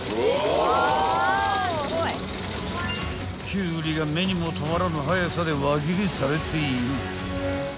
［キュウリが目にも留まらぬ速さで輪切りされている］